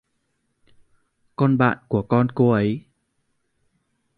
con bạn của con cô ấy